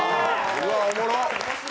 うわ、おもろっ！